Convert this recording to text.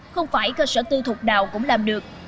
không phải cơ sở tư thục nào cũng làm được